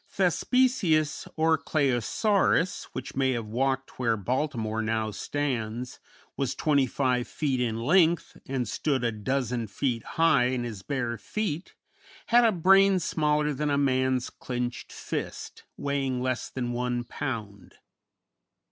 Thespesius, or Claosaurus, which may have walked where Baltimore now stands, was twenty five feet in length and stood a dozen feet high in his bare feet, had a brain smaller than a man's clenched fist, weighing less than one pound.